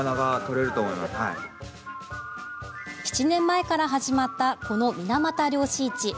７年前から始まったこの水俣漁師市。